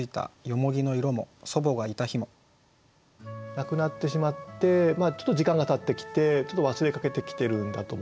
亡くなってしまってちょっと時間がたってきてちょっと忘れかけてきてるんだと思うんですね。